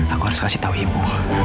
aku harus kasih tahu ibu